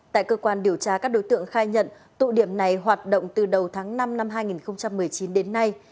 tại cơ quan điều tra các đối tượng khai nhận tụ điểm này hoạt động từ đầu tháng năm năm hai nghìn một mươi chín đến nay